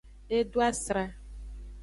E do asra.